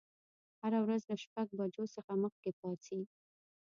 هره ورځ له شپږ بجو څخه مخکې پاڅئ.